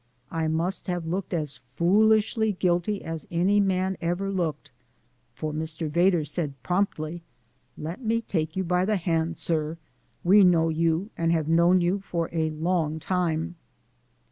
I must have looked as foolishly guilty as any man ever looked, for Mr. Vedder said promptly: "Let me take you by the hand, sir. We know you, and have known you for a long time."